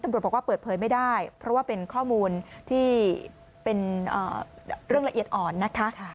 ตำรวจบอกว่าเปิดเผยไม่ได้เพราะว่าเป็นข้อมูลที่เป็นเรื่องละเอียดอ่อนนะคะ